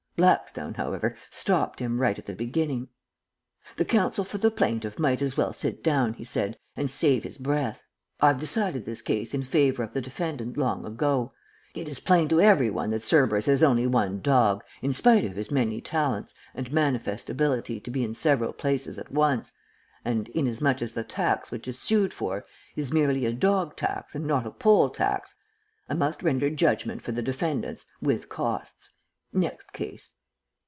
Blackstone, however, stopped him right at the beginning. "'The counsel for the plaintiff might as well sit down,' he said, 'and save his breath. I've decided this case in favor of the defendant long ago. It is plain to every one that Cerberus is only one dog, in spite of his many talents and manifest ability to be in several places at once, and inasmuch as the tax which is sued for is merely a dog tax and not a poll tax, I must render judgment for the defendants, with costs. Next case.'